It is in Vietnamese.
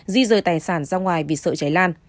di rời tài sản ra ngoài vì sợ cháy lan